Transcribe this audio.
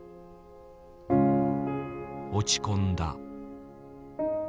落ち込んだ。